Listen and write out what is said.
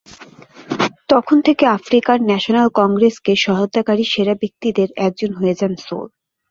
তখন থেকে African National কংগ্রেসকে সহায়তাকারী সেরা ব্যক্তিদের একজন হয়ে যান সোল।